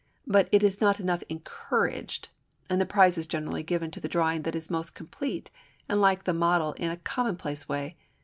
But it is not enough #encouraged#, and the prize is generally given to the drawing that is most complete and like the model in a commonplace way.